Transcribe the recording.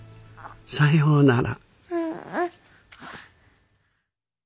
さようなら。